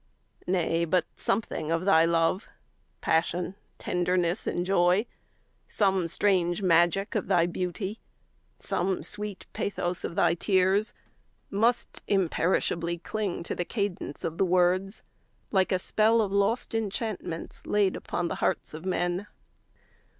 20 Nay, but something of thy love, Passion, tenderness, and joy, Some strange magic of thy beauty, Some sweet pathos of thy tears, Must imperishably cling 25 To the cadence of the words, Like a spell of lost enchantments Laid upon the hearts of men.